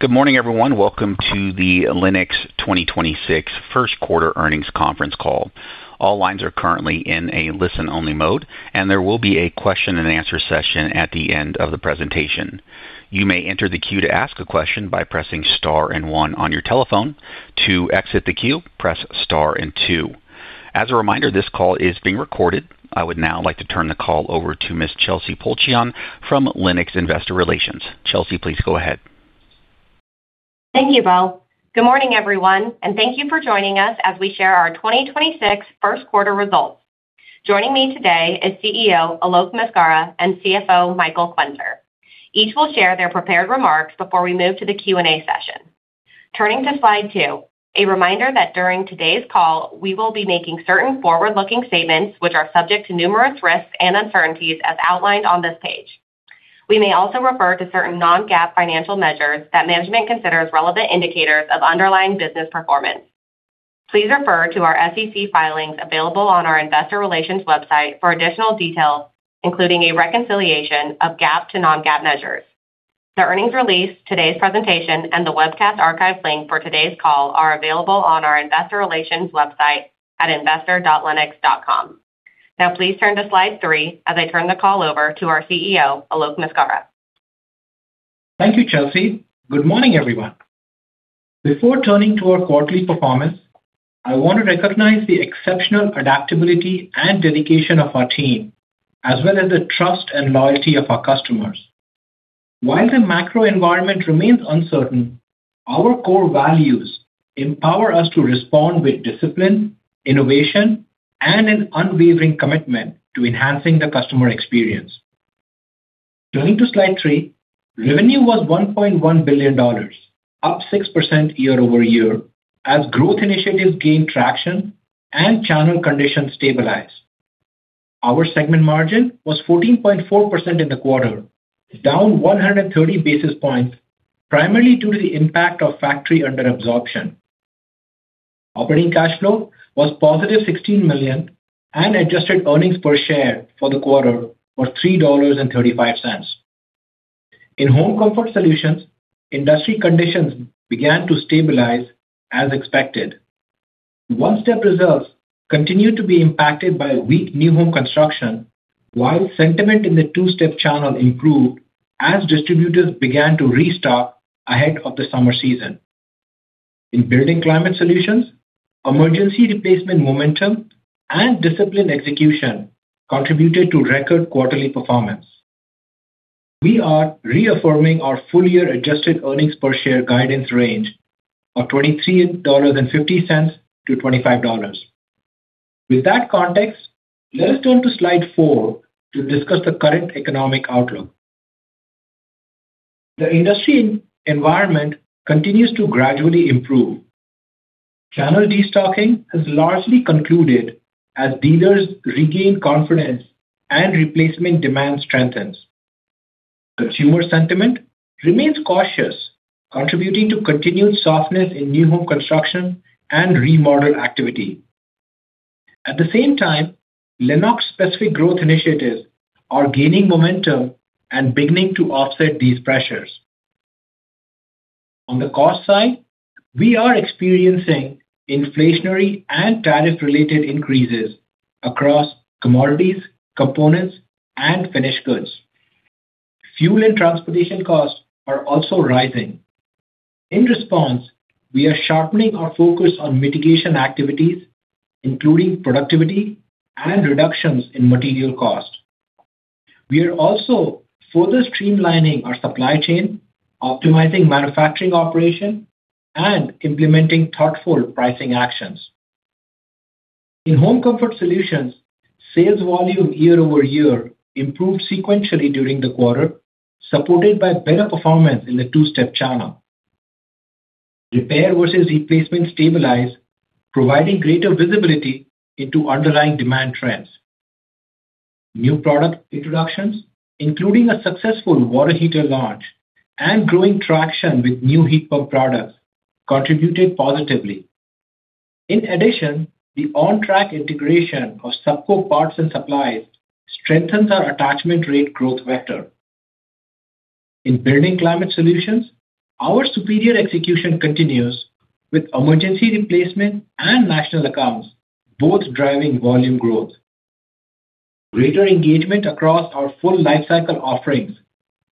Good morning, everyone. Welcome to the Lennox 2026 first quarter earnings conference call. All lines are currently in a listen-only mode, and there will be a question and answer session at the end of the presentation. You may enter the queue to ask a question by pressing star and one on your telephone. To exit the queue, press star and two. As a reminder, this call is being recorded. I would now like to turn the call over to Ms. Chelsey Pulcheon from Lennox Investor Relations. Chelsey, please go ahead. Thank you, Bill. Good morning, everyone, and thank you for joining us as we share our 2026 first quarter results. Joining me today is CEO Alok Maskara and CFO Michael Quenzer. Each will share their prepared remarks before we move to the Q&A session. Turning to slide two, a reminder that during today's call, we will be making certain forward-looking statements which are subject to numerous risks and uncertainties as outlined on this page. We may also refer to certain non-GAAP financial measures that management considers relevant indicators of underlying business performance. Please refer to our SEC filings available on our investor relations website for additional details, including a reconciliation of GAAP to non-GAAP measures. The earnings release, today's presentation, and the webcast archive link for today's call are available on our investor relations website at investor.lennox.com. Now please turn to slide three as I turn the call over to our CEO, Alok Maskara. Thank you, Chelsey. Good morning, everyone. Before turning to our quarterly performance, I want to recognize the exceptional adaptability and dedication of our team, as well as the trust and loyalty of our customers. While the macro environment remains uncertain, our core values empower us to respond with discipline, innovation, and an unwavering commitment to enhancing the customer experience. Turning to slide three, revenue was $1.1 billion, up 6% year-over-year, as growth initiatives gained traction and channel conditions stabilized. Our segment margin was 14.4% in the quarter, down 130 basis points, primarily due to the impact of factory under absorption. Operating cash flow was positive $16 million and adjusted earnings per share for the quarter was $3.35. In Home Comfort Solutions, industry conditions began to stabilize as expected. One-step results continued to be impacted by weak new home construction, while sentiment in the two-step channel improved as distributors began to restock ahead of the summer season. In Building Climate Solutions, emergency replacement momentum and disciplined execution contributed to record quarterly performance. We are reaffirming our full-year adjusted earnings per share guidance range of $23.50-$25.00. With that context, let's turn to slide four to discuss the current economic outlook. The industry environment continues to gradually improve. Channel destocking has largely concluded as dealers regain confidence and replacement demand strengthens. Consumer sentiment remains cautious, contributing to continued softness in new home construction and remodel activity. At the same time, Lennox-specific growth initiatives are gaining momentum and beginning to offset these pressures. On the cost side, we are experiencing inflationary and tariff-related increases across commodities, components, and finished goods. Fuel and transportation costs are also rising. In response, we are sharpening our focus on mitigation activities, including productivity and reductions in material cost. We are also further streamlining our supply chain, optimizing manufacturing operation, and implementing thoughtful pricing actions. In Home Comfort Solutions, sales volume year-over-year improved sequentially during the quarter, supported by better performance in the two-step channel. Repair versus replacement stabilized, providing greater visibility into underlying demand trends. New product introductions, including a successful water heater launch and growing traction with new heat pump products, contributed positively. In addition, the on-track integration of Supco parts and supplies strengthens our attachment rate growth vector. In Building Climate Solutions, our superior execution continues with emergency replacement and national accounts both driving volume growth. Greater engagement across our full lifecycle offerings,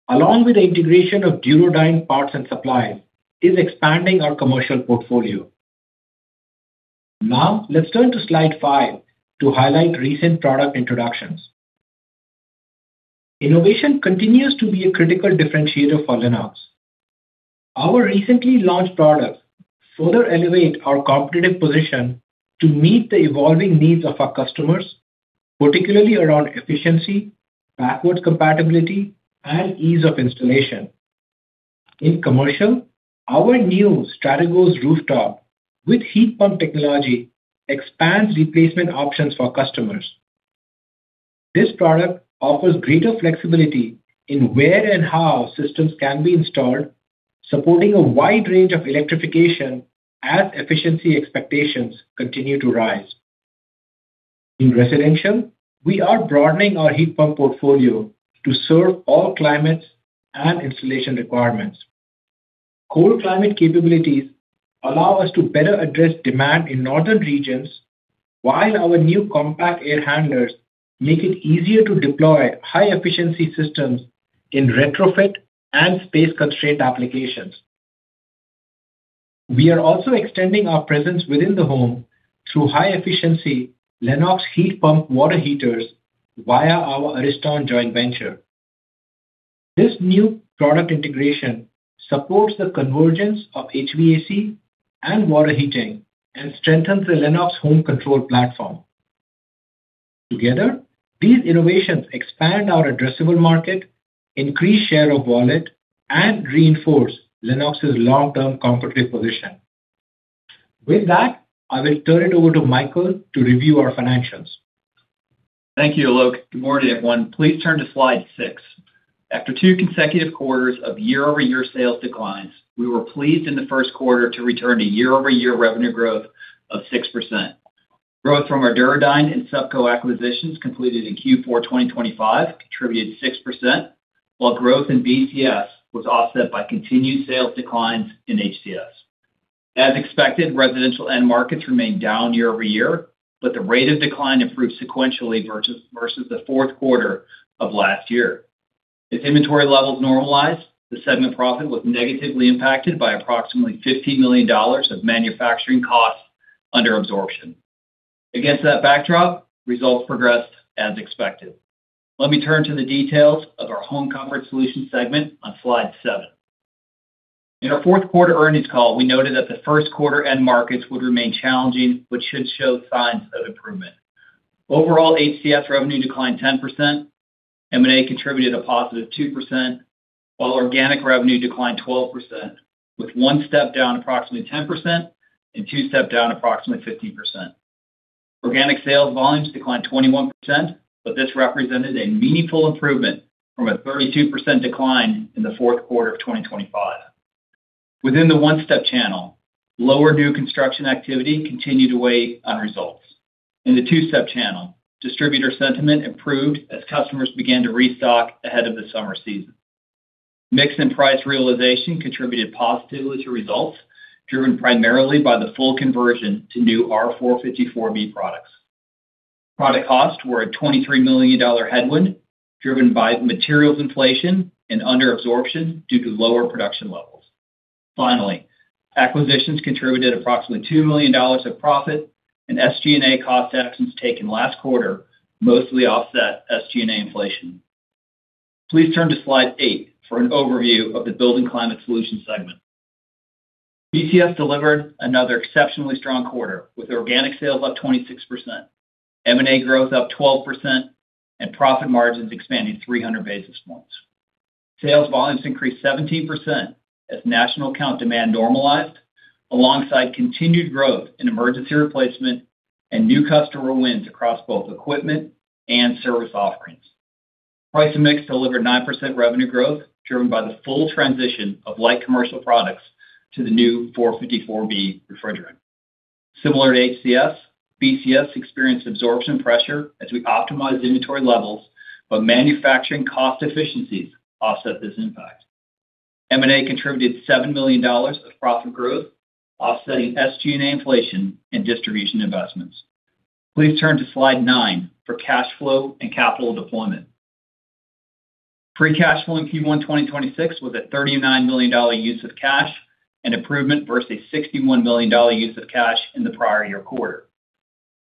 along with the integration of Duro Dyne parts and supplies, is expanding our commercial portfolio. Let's turn to slide five to highlight recent product introductions. Innovation continues to be a critical differentiator for Lennox. Our recently launched products further elevate our competitive position to meet the evolving needs of our customers, particularly around efficiency, backwards compatibility, and ease of installation. In commercial, our new Strategos rooftop with heat pump technology expands replacement options for customers. This product offers greater flexibility in where and how systems can be installed, supporting a wide range of electrification as efficiency expectations continue to rise. In residential, we are broadening our heat pump portfolio to serve all climates and installation requirements. Cold climate capabilities allow us to better address demand in northern regions, while our new compact air handlers make it easier to deploy high-efficiency systems in retrofit and space-constrained applications. We are also extending our presence within the home through high-efficiency Lennox heat pump water heaters via our Ariston joint venture. This new product integration supports the convergence of HVAC and water heating and strengthens the Lennox home control platform. Together, these innovations expand our addressable market, increase share of wallet, and reinforce Lennox's long-term competitive position. With that, I will turn it over to Michael to review our financials. Thank you, Alok. Good morning, everyone. Please turn to slide six. After two consecutive quarters of year-over-year sales declines, we were pleased in the first quarter to return to year-over-year revenue growth of 6%. Growth from our Duro Dyne and Supco acquisitions completed in Q4 2025 contributed 6%, while growth in BCS was offset by continued sales declines in HCS. As expected, residential end markets remained down year-over-year, but the rate of decline improved sequentially versus the fourth quarter of last year. If inventory levels normalize, the segment profit was negatively impacted by approximately $50 million of manufacturing costs under absorption. Against that backdrop, results progressed as expected. Let me turn to the details of our Home Comfort Solutions segment on slide seven. In our fourth quarter earnings call, we noted that the first quarter end markets would remain challenging, but should show signs of improvement. Overall, HCS revenue declined 10%, M&A contributed a +2%, while organic revenue declined 12% with one step down approximately 10% and two step down approximately 15%. Organic sales volumes declined 21%. This represented a meaningful improvement from a 32% decline in the fourth quarter of 2025. Within the one-step channel, lower new construction activity continued to weigh on results. In the two-step channel, distributor sentiment improved as customers began to restock ahead of the summer season. Mix and price realization contributed positively to results, driven primarily by the full conversion to new R-454B products. Product costs were a $23 million headwind, driven by materials inflation and under absorption due to lower production levels. Finally, acquisitions contributed approximately $2 million of profit, and SG&A cost actions taken last quarter mostly offset SG&A inflation. Please turn to slide eight for an overview of the Building Climate Solutions segment. BCS delivered another exceptionally strong quarter with organic sales up 26%, M&A growth up 12%, and profit margins expanding 300 basis points. Sales volumes increased 17% as national account demand normalized alongside continued growth in emergency replacement and new customer wins across both equipment and service offerings. Price and mix delivered 9% revenue growth, driven by the full transition of light commercial products to the new R-454B refrigerant. Similar to HCS, BCS experienced absorption pressure as we optimized inventory levels, but manufacturing cost efficiencies offset this impact. M&A contributed $7 million of profit growth, offsetting SG&A inflation and distribution investments. Please turn to slide nine for cash flow and capital deployment. Free cash flow in Q1 2026 was at $39 million use of cash, an improvement versus $61 million use of cash in the prior year quarter.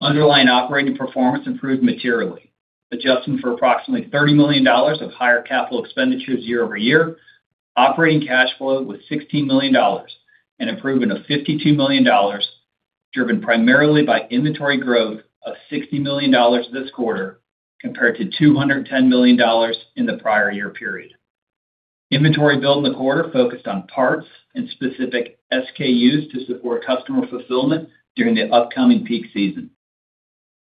Underlying operating performance improved materially. Adjusting for approximately $30 million of higher capital expenditures year-over-year, operating cash flow was $16 million, an improvement of $52 million, driven primarily by inventory growth of $60 million this quarter compared to $210 million in the prior year period. Inventory build in the quarter focused on parts and specific SKUs to support customer fulfillment during the upcoming peak season.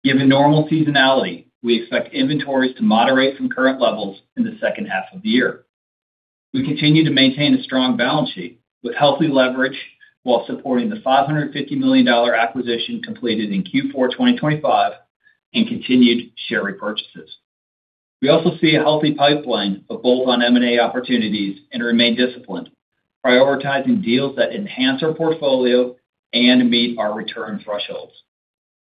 Given normal seasonality, we expect inventories to moderate from current levels in the second half of the year. We continue to maintain a strong balance sheet with healthy leverage while supporting the $550 million acquisition completed in Q4 2025 and continued share repurchases. We also see a healthy pipeline of bolt-on M&A opportunities and remain disciplined, prioritizing deals that enhance our portfolio and meet our return thresholds.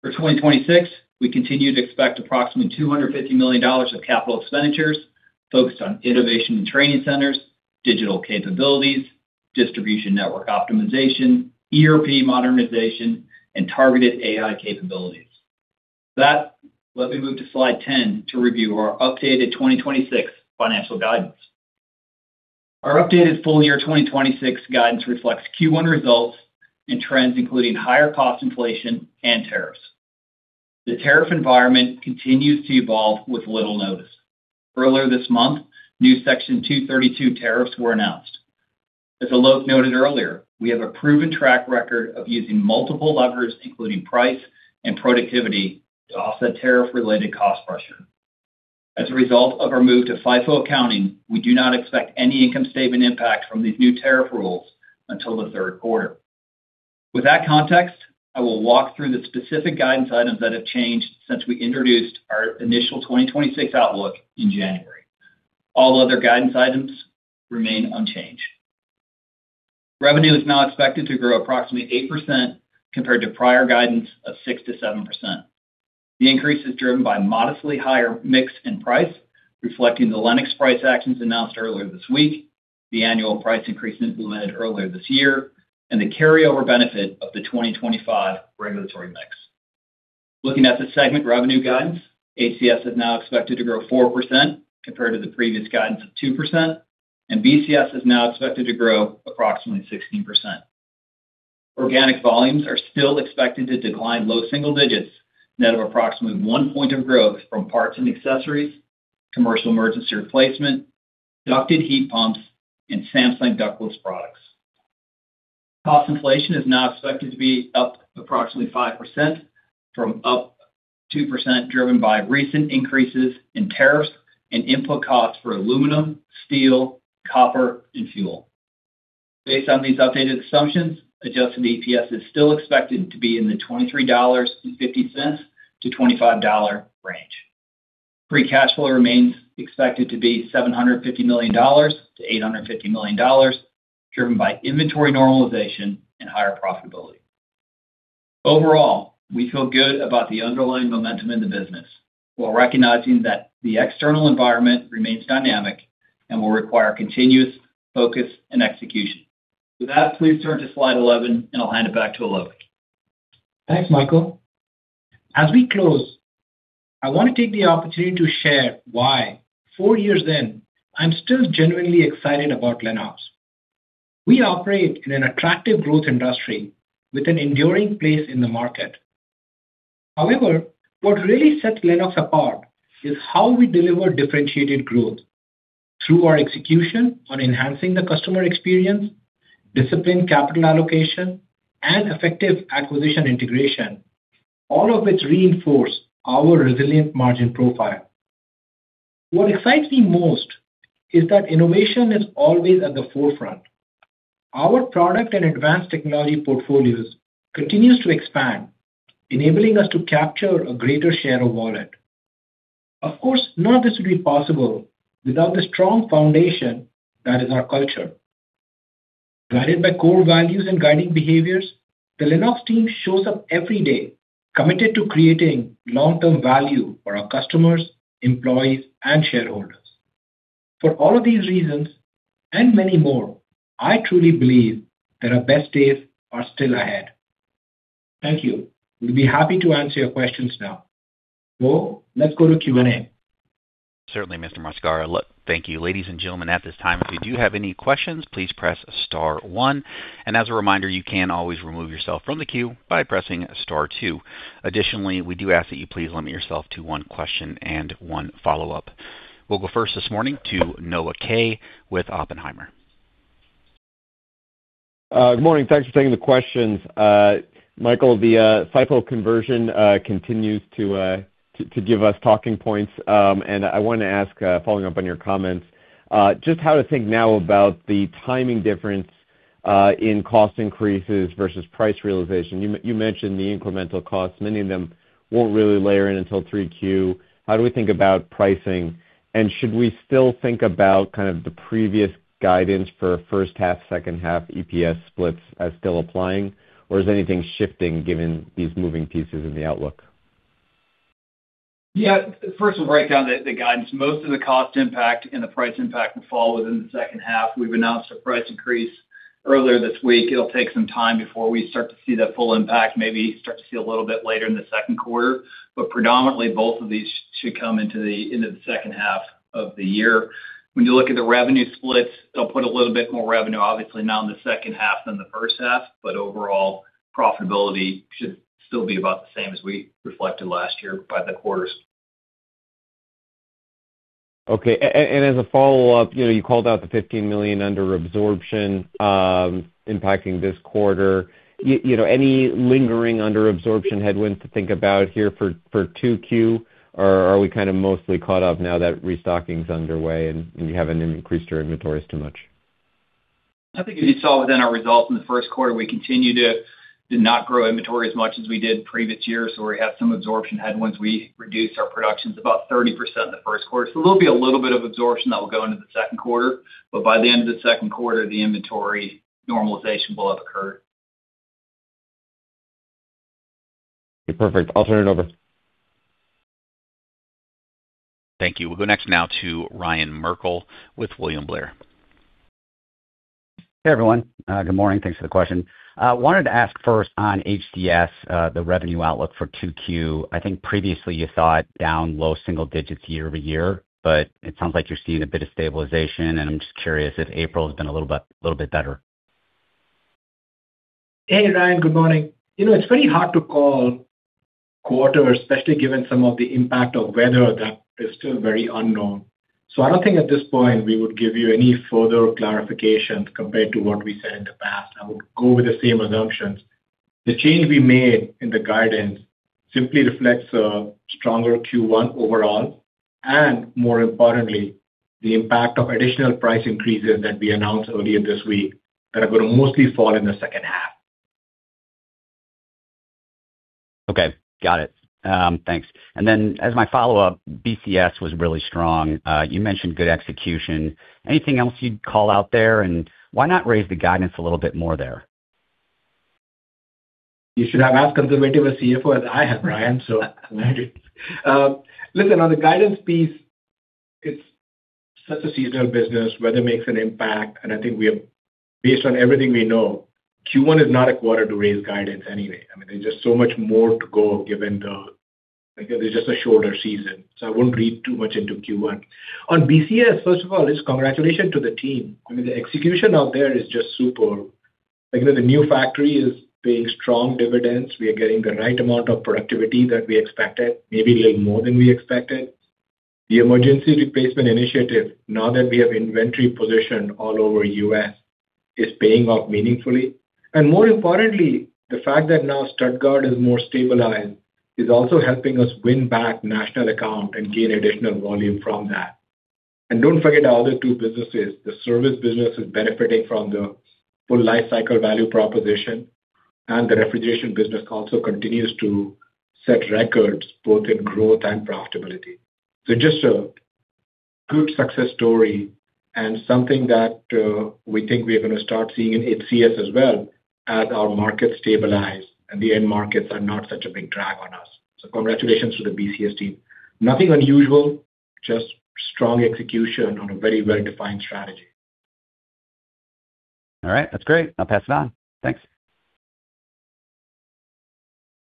For 2026, we continue to expect approximately $250 million of capital expenditures focused on innovation and training centers, digital capabilities, distribution network optimization, ERP modernization, and targeted AI capabilities. Let me move to slide 10 to review our updated 2026 financial guidance. Our updated full year 2026 guidance reflects Q1 results and trends including higher cost inflation and tariffs. The tariff environment continues to evolve with little notice. Earlier this month, new Section 232 tariffs were announced. As Alok noted earlier, we have a proven track record of using multiple levers, including price and productivity, to offset tariff-related cost pressure. As a result of our move to FIFO accounting, we do not expect any income statement impact from these new tariff rules until the third quarter. With that context, I will walk through the specific guidance items that have changed since we introduced our initial 2026 outlook in January. All other guidance items remain unchanged. Revenue is now expected to grow approximately 8% compared to prior guidance of 6%-7%. The increase is driven by modestly higher mix and price, reflecting the Lennox price actions announced earlier this week, the annual price increases implemented earlier this year, and the carryover benefit of the 2025 regulatory mix. Looking at the segment revenue guidance, HCS is now expected to grow 4% compared to the previous guidance of 2%, and BCS is now expected to grow approximately 16%. Organic volumes are still expected to decline low single digits net of approximately 1 point of growth from parts and accessories, commercial emergency replacement, ducted heat pumps, and Samsung ductless products. Cost inflation is now expected to be up approximately 5% from up 2%, driven by recent increases in tariffs and input costs for aluminum, steel, copper, and fuel. Based on these updated assumptions, adjusted EPS is still expected to be in the $23.50-$25 range. Free cash flow remains expected to be $750 million-$850 million, driven by inventory normalization and higher profitability. Overall, we feel good about the underlying momentum in the business, while recognizing that the external environment remains dynamic and will require continuous focus and execution. With that, please turn to slide 11, and I'll hand it back to Alok. Thanks, Michael. As we close, I want to take the opportunity to share why four years in I'm still genuinely excited about Lennox. We operate in an attractive growth industry with an enduring place in the market. However, what really sets Lennox apart is how we deliver differentiated growth through our execution on enhancing the customer experience, disciplined capital allocation, and effective acquisition integration, all of which reinforce our resilient margin profile. What excites me most is that innovation is always at the forefront. Our product and advanced technology portfolios continues to expand, enabling us to capture a greater share of wallet. Of course, none of this would be possible without the strong foundation that is our culture. Guided by core values and guiding behaviors, the Lennox team shows up every day committed to creating long-term value for our customers, employees, and shareholders. For all of these reasons and many more, I truly believe that our best days are still ahead. Thank you. We will be happy to answer your questions now. Mo, let us go to Q&A. Certainly, Mr. Maskara. Thank you. Ladies and gentlemen, at this time, if you do have any questions, please press star one. As a reminder, you can always remove yourself from the queue by pressing star two. Additionally, we do ask that you please limit yourself to one question and one follow-up. We'll go first this morning to Noah Kaye with Oppenheimer. Good morning. Thanks for taking the questions. Michael, the FIFO conversion continues to give us talking points. I wanna ask, following up on your comments, just how to think now about the timing difference in cost increases versus price realization. You mentioned the incremental costs. Many of them won't really layer in until 3Q. How do we think about pricing? Should we still think about kind of the previous guidance for first half, second half EPS splits as still applying, or is anything shifting given these moving pieces in the outlook? First, we'll break down the guidance. Most of the cost impact and the price impact will fall within the second half. We've announced a price increase earlier this week. It'll take some time before we start to see the full impact, maybe start to see a little bit later in the second quarter. Predominantly, both of these should come into the end of the second half of the year. When you look at the revenue splits, they'll put a little bit more revenue, obviously now in the second half than the first half, but overall profitability should still be about the same as we reflected last year by the quarters. Okay. As a follow-up, you know, you called out the $15 million under absorption impacting this quarter. You know, any lingering under absorption headwinds to think about here for 2Q? Are we kind of mostly caught up now that restocking is underway and you haven't increased your inventories too much? I think if you saw within our results in the first quarter, we continue to not grow inventory as much as we did in previous years, so we had some absorption headwinds. We reduced our productions about 30% in the first quarter, so there'll be a little bit of absorption that will go into the second quarter, but by the end of the second quarter, the inventory normalization will have occurred. Perfect. I'll turn it over. Thank you. We'll go next now to Ryan Merkel with William Blair. Hey, everyone. Good morning. Thanks for the question. I wanted to ask first on HCS, the revenue outlook for 2Q. I think previously you saw it down low single digits year-over-year, but it sounds like you're seeing a bit of stabilization, and I'm just curious if April has been a little bit better. Hey, Ryan. Good morning. You know, it's very hard to call quarter, especially given some of the impact of weather that is still very unknown. I don't think at this point we would give you any further clarification compared to what we said in the past. I would go with the same assumptions. The change we made in the guidance simply reflects a stronger Q1 overall, and more importantly, the impact of additional price increases that we announced earlier this week that are gonna mostly fall in the second half. Okay, got it. Thanks. As my follow-up, BCS was really strong. You mentioned good execution. Anything else you'd call out there? Why not raise the guidance a little bit more there? You should have as conservative a CFO as I have, Ryan so. Listen, on the guidance piece, it's such a seasonal business, weather makes an impact, and I think based on everything we know, Q1 is not a quarter to raise guidance anyway. I mean, there's just so much more to go. Again, it's just a shorter season. I won't read too much into Q1. On BCS, first of all, it's congratulations to the team. I mean, the execution out there is just super. Like, you know, the new factory is paying strong dividends. We are getting the right amount of productivity that we expected, maybe like more than we expected. The emergency replacement initiative, now that we have inventory positioned all over U.S., is paying off meaningfully. More importantly, the fact that now Stuttgart is more stabilized is also helping us win back national account and gain additional volume from that. Don't forget the other two businesses. The service business is benefiting from the full life cycle value proposition, and the refrigeration business also continues to set records both in growth and profitability. Just a good success story and something that we think we are gonna start seeing in HCS as well as our markets stabilize and the end markets are not such a big drag on us. Congratulations to the BCS team. Nothing unusual, just strong execution on a very well-defined strategy. All right, that's great. I'll pass it on. Thanks.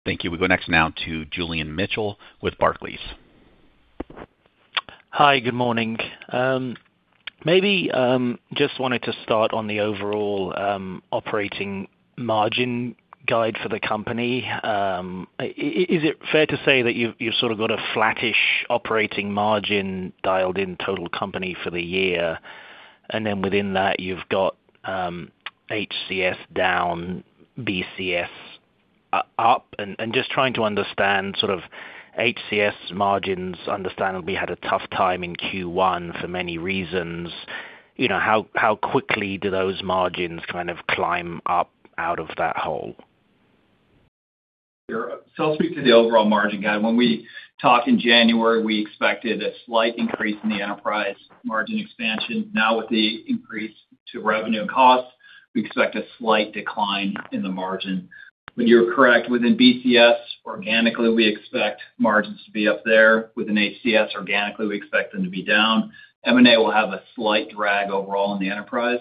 Thank you. We go next now to Julian Mitchell with Barclays. Hi, good morning. Maybe, just wanted to start on the overall operating margin guide for the company. Is it fair to say that you've sort of got a flattish operating margin dialed in total company for the year, then within that you've got HCS down, BCS up, just trying to understand sort of HCS margins understandably had a tough time in Q1 for many reasons. You know, how quickly do those margins kind of climb up out of that hole? Sure. I'll speak to the overall margin guide. When we talked in January, we expected a slight increase in the enterprise margin expansion. Now with the increase to revenue and costs, we expect a slight decline in the margin. You're correct, within BCS, organically, we expect margins to be up there. Within HCS, organically, we expect them to be down. M&A will have a slight drag overall in the enterprise.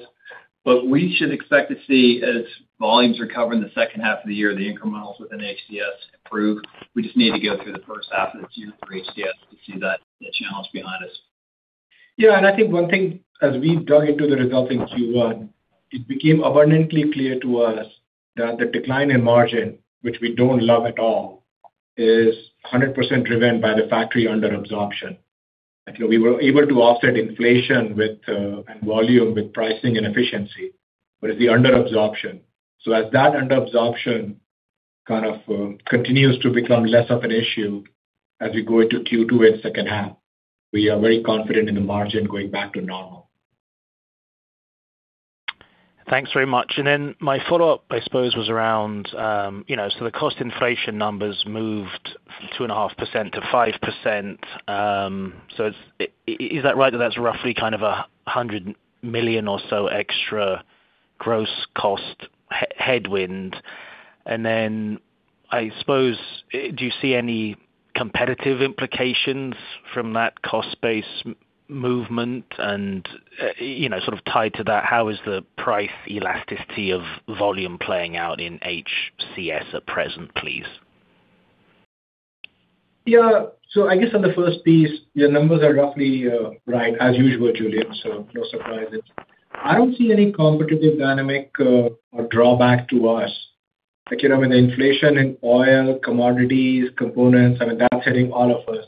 We should expect to see as volumes recover in the second half of the year, the incrementals within HCS improve. We just need to go through the first half of the year for HCS to see that, the challenge behind us. Yeah, I think one thing as we dug into the results in Q1, it became abundantly clear to us that the decline in margin, which we don't love at all, is 100% driven by the factory under absorption. We were able to offset inflation with and volume with pricing and efficiency. It's the under absorption. As that under absorption kind of continues to become less of an issue as we go into Q2 and second half, we are very confident in the margin going back to normal. Thanks very much. My follow-up, I suppose, was around, you know, the cost inflation numbers moved from 2.5% to 5%, is that right that that's roughly kind of $100 million or so extra gross cost headwind? I suppose, do you see any competitive implications from that cost base movement and, you know, sort of tied to that, how is the price elasticity of volume playing out in HCS at present, please? I guess on the first piece, your numbers are roughly right, as usual, Julian, so no surprises. I don't see any competitive dynamic or drawback to us. Like, you know, when the inflation in oil, commodities, components, I mean, that's hitting all of us.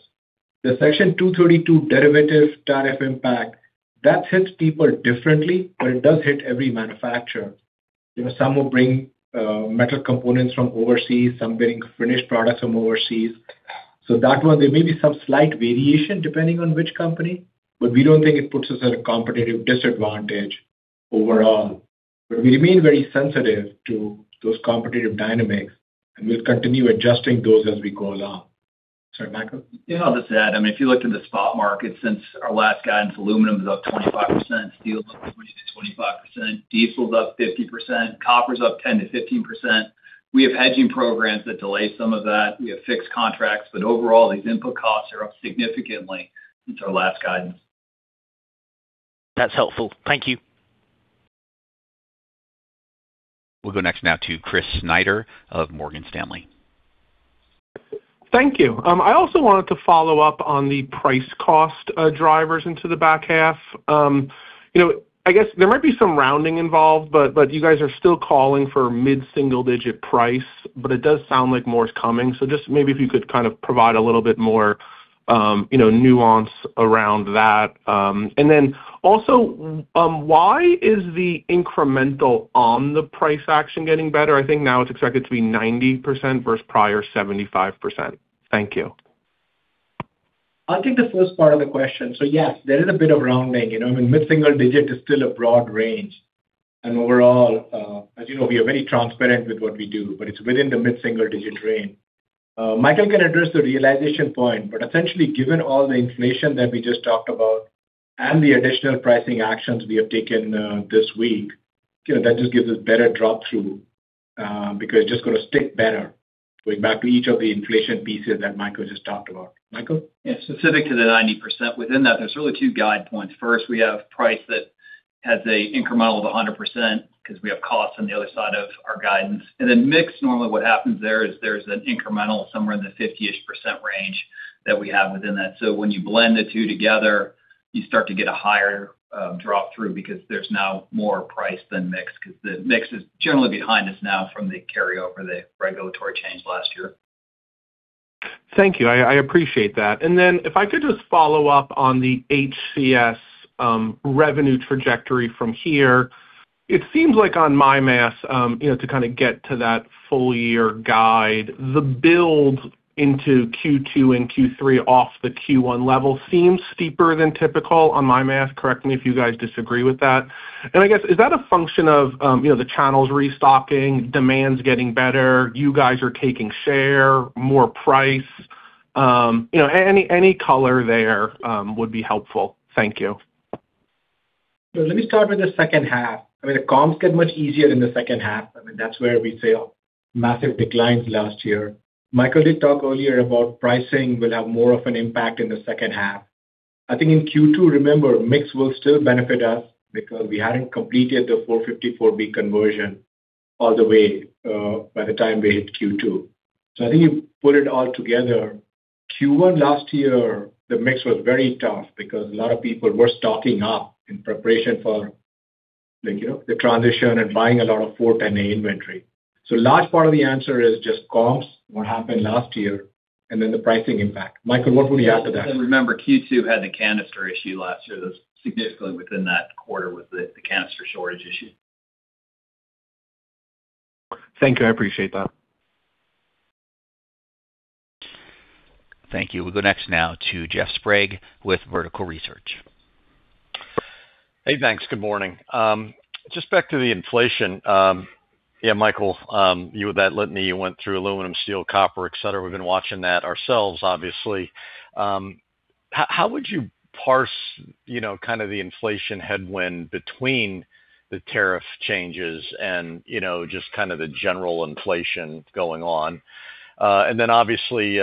The Section 232 derivative tariff impact, that hits people differently, but it does hit every manufacturer. You know, some will bring metal components from overseas, some getting finished products from overseas. That one, there may be some slight variation depending on which company, but we don't think it puts us at a competitive disadvantage overall. We remain very sensitive to those competitive dynamics, and we'll continue adjusting those as we go along. Sorry, Michael? Yeah, I'll just add, I mean, if you looked in the spot market since our last guidance, aluminum is up 25%, steel is up 20%-25%, diesel is up 50%, copper is up 10%-15%. We have hedging programs that delay some of that. We have fixed contracts. Overall, these input costs are up significantly since our last guidance. That's helpful. Thank you. We'll go next now to Chris Snyder of Morgan Stanley. Thank you. I also wanted to follow up on the price cost drivers into the back half. You know, I guess there might be some rounding involved, but you guys are still calling for mid-single-digit price. It does sound like more is coming. Just maybe if you could kind of provide a little bit more, you know, nuance around that. Then also, why is the incremental on the price action getting better? I think now it's expected to be 90% versus prior 75%. Thank you. I'll take the first part of the question. Yes, there is a bit of rounding. You know, I mean, mid-single digit is still a broad range. Overall, as you know, we are very transparent with what we do, but it's within the mid-single digit range. Michael can address the realization point, but essentially, given all the inflation that we just talked about and the additional pricing actions we have taken this week, you know, that just gives us better drop-through because it's just gonna stick better going back to each of the inflation pieces that Michael just talked about. Michael? Specific to the 90%, within that, there's really two guide points. First, we have price that has a incremental of 100% because we have costs on the other side of our guidance. Mix, normally what happens there is there's an incremental somewhere in the 50-ish% range that we have within that. When you blend the two together, you start to get a higher drop-through because there's now more price than mix, 'cause the mix is generally behind us now from the carryover, the regulatory change last year. Thank you. I appreciate that. Then if I could just follow up on the HCS revenue trajectory from here. It seems like on my math, you know, to kind of get to that full year guide, the build into Q2 and Q3 off the Q1 level seems steeper than typical on my math. Correct me if you guys disagree with that. I guess, is that a function of, you know, the channels restocking, demand's getting better, you guys are taking share, more price? You know, any color there would be helpful. Thank you. Let me start with the second half. I mean, the comps get much easier in the second half. I mean, that's where we saw massive declines last year. Michael did talk earlier about pricing will have more of an impact in the second half. I think in Q2, remember, mix will still benefit us because we hadn't completed the R-454B conversion all the way by the time we hit Q2. I think you put it all together, Q1 last year, the mix was very tough because a lot of people were stocking up in preparation for, like, you know, the transition and buying a lot of R-410A inventory. Large part of the answer is just comps, what happened last year, and then the pricing impact. Michael, what would you add to that? Remember, Q2 had the canister issue last year that's significantly within that quarter with the canister shortage issue. Thank you. I appreciate that. Thank you. We'll go next now to Jeff Sprague with Vertical Research. Hey, thanks. Good morning. Just back to the inflation. Yeah, Michael, you with that litany, you went through aluminum, steel, copper, et cetera. We've been watching that ourselves, obviously. How, how would you parse, you know, kind of the inflation headwind between the tariff changes and, you know, just kind of the general inflation going on? Obviously, you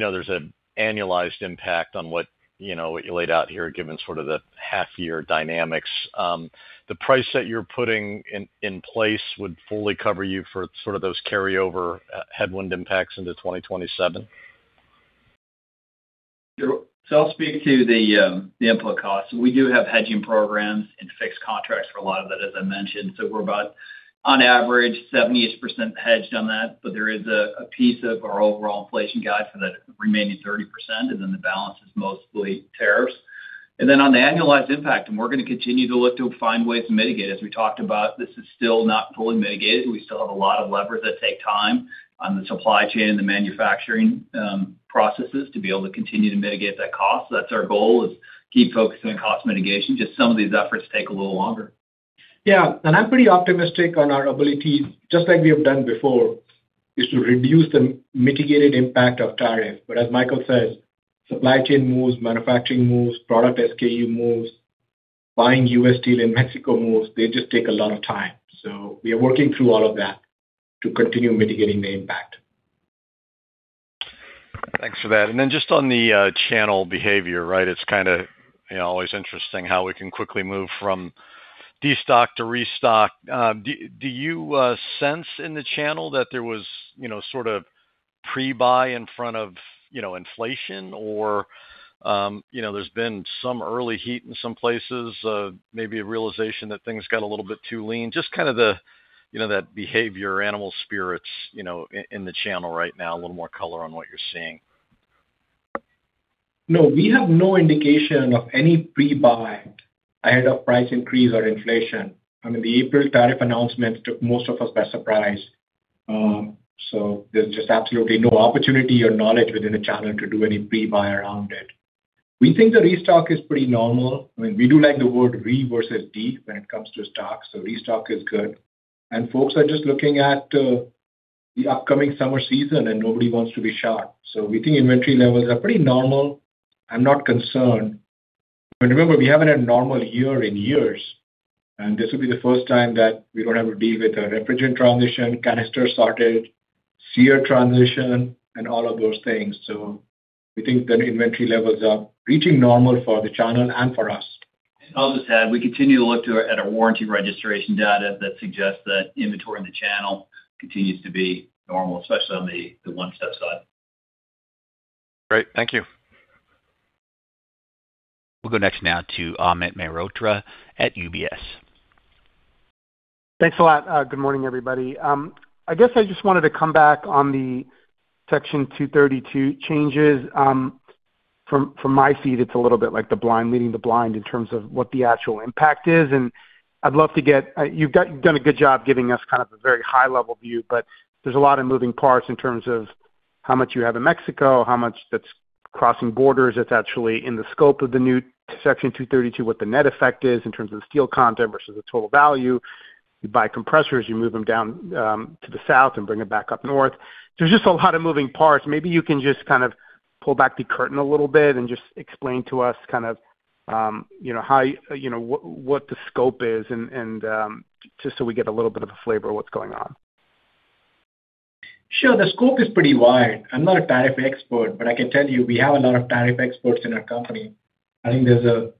know, there's an annualized impact on what, you know, what you laid out here, given sort of the half year dynamics. The price that you're putting in place would fully cover you for sort of those carryover, headwind impacts into 2027? Sure. I'll speak to the input costs. We do have hedging programs and fixed contracts for a lot of it, as I mentioned. We're about on average 78% hedged on that, but there is a piece of our overall inflation guide for that remaining 30%, and then the balance is mostly tariffs. On the annualized impact, we're going to continue to look to find ways to mitigate. As we talked about, this is still not fully mitigated. We still have a lot of levers that take time on the supply chain and the manufacturing processes to be able to continue to mitigate that cost. That's our goal is keep focusing on cost mitigation. Just some of these efforts take a little longer. Yeah. I'm pretty optimistic on our ability, just like we have done before, is to reduce the mitigated impact of tariff. As Michael says, supply chain moves, manufacturing moves, product SKU moves, buying U.S. steel in Mexico moves. They just take a lot of time. We are working through all of that to continue mitigating the impact. Thanks for that. Just on the channel behavior, right? It's kinda, you know, always interesting how we can quickly move from destock to restock. Do you sense in the channel that there was, you know, sort of pre-buy in front of, you know, inflation or, you know, there's been some early heat in some places, maybe a realization that things got a little bit too lean, just kind of the, you know, that behavior, animal spirits, you know, in the channel right now, a little more color on what you're seeing? No, we have no indication of any pre-buy ahead of price increase or inflation. The April tariff announcement took most of us by surprise. There's just absolutely no opportunity or knowledge within the channel to do any pre-buy around it. We think the restock is pretty normal. We do like the word re versus de when it comes to stock, so restock is good. Folks are just looking at the upcoming summer season, and nobody wants to be short. We think inventory levels are pretty normal. I'm not concerned. Remember, we haven't had a normal year in years, and this will be the first time that we don't have to deal with a refrigerant transition, canister shortage, SEER transition, and all of those things. We think that inventory levels are reaching normal for the channel and for us. I'll just add, we continue to look at our warranty registration data that suggests that inventory in the channel continues to be normal, especially on the one-step side. Great. Thank you. We'll go next now to Amit Mehrotra at UBS. Thanks a lot. Good morning, everybody. I guess I just wanted to come back on the Section 232 changes. From, from my seat, it's a little bit like the blind leading the blind in terms of what the actual impact is. You've done a good job giving us kind of a very high level view, but there's a lot of moving parts in terms of how much you have in Mexico, how much that's crossing borders, that's actually in the scope of the new Section 232, what the net effect is in terms of the steel content versus the total value. You buy compressors, you move them down to the south and bring it back up north. There's just a lot of moving parts. Maybe you can just kind of pull back the curtain a little bit and just explain to us kind of, you know, how, you know, what the scope is and, just so we get a little bit of a flavor of what's going on. Sure. The scope is pretty wide. I'm not a tariff expert, but I can tell you we have a lot of tariff experts in our company. I think there's a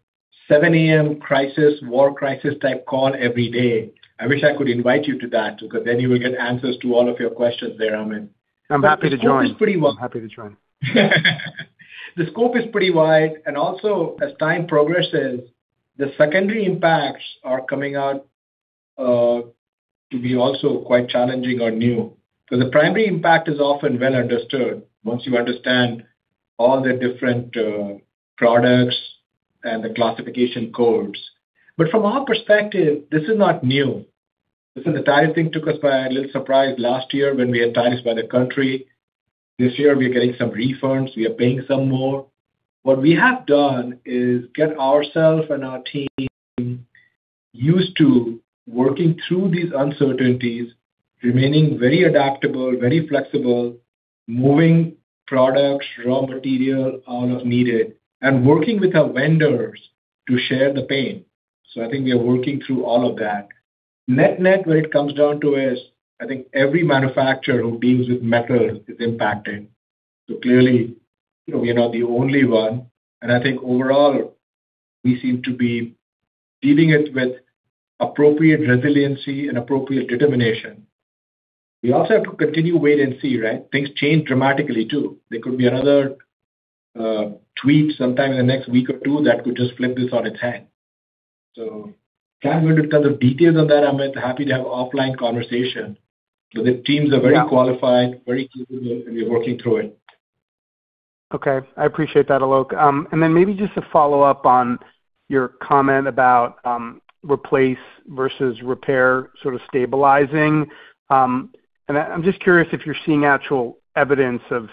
7:00 A.M. crisis, war crisis type call every day. I wish I could invite you to that because then you will get answers to all of your questions there, Amit. I'm happy to join. The scope is pretty wide. I'm happy to join. The scope is pretty wide. As time progresses, the secondary impacts are coming out to be also quite challenging or new. The primary impact is often well understood once you understand all the different products and the classification codes. From our perspective, this is not new. Listen, the tariff thing took us by a little surprise last year when we had tariffs by the country. This year we are getting some refunds, we are paying some more. What we have done is get ourself and our team used to working through these uncertainties, remaining very adaptable, very flexible, moving products, raw material out if needed, and working with our vendors to share the pain. I think we are working through all of that. Net net, what it comes down to is, I think every manufacturer who deals with metal is impacted. Clearly, you know, we are not the only one. I think overall, we seem to be dealing it with appropriate resiliency and appropriate determination. We also have to continue wait and see, right? Things change dramatically, too. There could be another tweet sometime in the next week or two that could just flip this on its head. If you want me to cover details on that, Amit, happy to have offline conversation. The teams are very qualified, very capable, and we are working through it. Okay. I appreciate that, Alok. Maybe just to follow up on your comment about replace versus repair sort of stabilizing. I'm just curious if you're seeing actual evidence of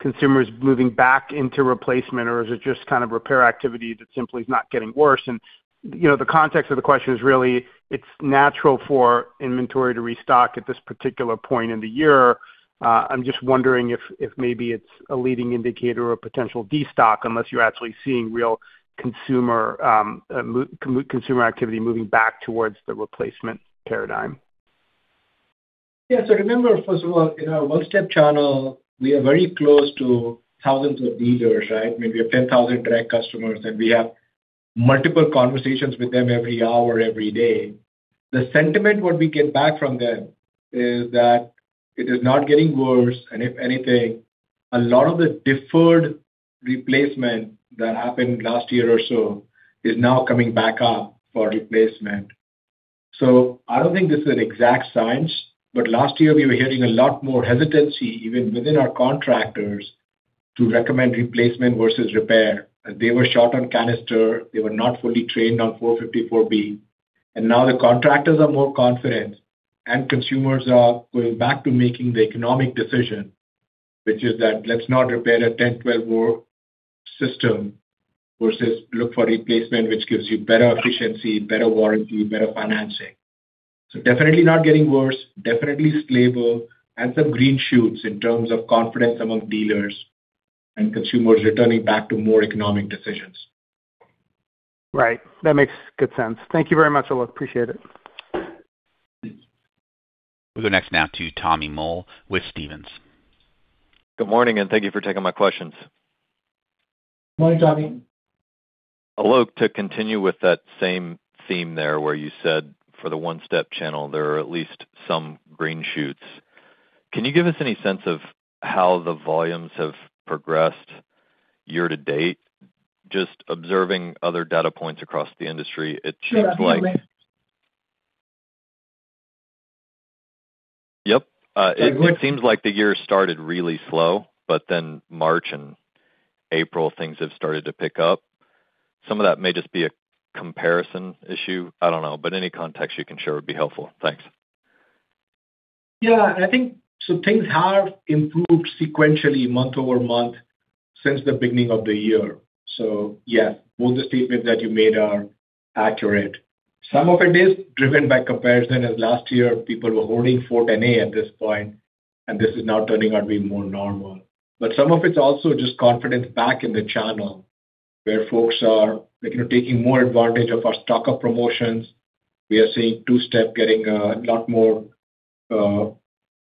consumers moving back into replacement or is it just kind of repair activity that simply is not getting worse? You know, the context of the question is really, it's natural for inventory to restock at this particular point in the year. I'm just wondering if maybe it's a leading indicator or potential destock, unless you're actually seeing real consumer activity moving back towards the replacement paradigm. Yeah. Remember, first of all, in our one-step channel, we are very close to thousands of leaders, right? Maybe 10,000 direct customers, and we have multiple conversations with them every hour, every day. The sentiment what we get back from them is that it is not getting worse, and if anything, a lot of the deferred replacement that happened last year or so is now coming back up for replacement. I don't think this is an exact science, but last year, we were hearing a lot more hesitancy, even within our contractors, to recommend replacement versus repair. They were short on canister. They were not fully trained on R-454B. Now the contractors are more confident and consumers are going back to making the economic decision, which is that let's not repair a 10, 12-year-old system versus look for replacement, which gives you better efficiency, better warranty, better financing. Definitely not getting worse, definitely stable and some green shoots in terms of confidence among dealers and consumers returning back to more economic decisions. Right. That makes good sense. Thank you very much, Alok. Appreciate it. We'll go next now to Tommy Moll with Stephens. Good morning. Thank you for taking my questions. Good morning, Tommy. Alok, to continue with that same theme there where you said for the one-step channel, there are at least some green shoots. Can you give us any sense of how the volumes have progressed year-to-date? Just observing other data points across the industry, it seems like. Yeah, definitely. Yep. It seems like the year started really slow, but then March and April, things have started to pick up. Some of that may just be a comparison issue, I don't know, but any context you can share would be helpful. Thanks. Yeah, I think so things have improved sequentially month-over-month since the beginning of the year. Both the statements that you made are accurate. Some of it is driven by comparison, as last year, people were holding R-410A at this point, and this is now turning out to be more normal. Some of it's also just confidence back in the channel where folks are, you know, taking more advantage of our stock up promotions. We are seeing two-step getting a lot more